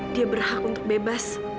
dia berhak untuk bebas